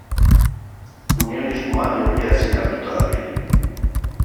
Unionismoa neurria ezin hartuta dabil.